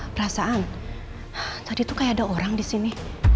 perasaan tadi tuh kayak ada orang disini